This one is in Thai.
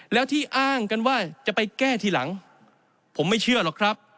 แล้วที่อ้างกันว่าจะไปแก้ทีหลังผมไม่เชื่อหรอกครับ